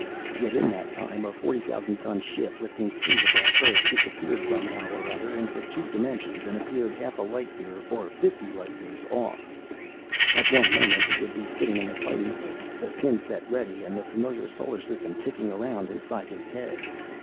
Yet in that time, a forty thousand ton ship lifting free above Earth disappeared somehow or other into two dimensions and appeared half a light year or fifty light years off. At one moment, he would be sitting in the Fighting Room, the pin set ready and the familiar Solar System ticking around inside his head.